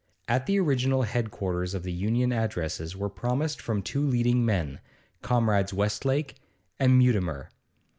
At the original head quarters of the Union addresses were promised from two leading men, Comrades Westlake and Mutimer.